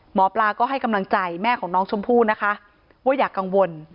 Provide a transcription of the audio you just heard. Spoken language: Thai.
หมอปลาก็ให้กำลังใจแม่ของน้องชมพู่นะคะว่าอย่ากังวล